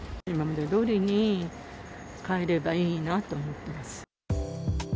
今までどおりに買えればいいなと思ってます。